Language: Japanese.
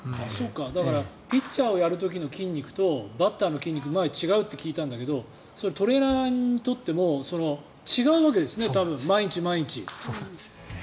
だからピッチャーをやる時の筋肉とバッターの筋肉が前に違うと聞いたけどそれはトレーナーにとっても違うわけですね、多分毎日毎日。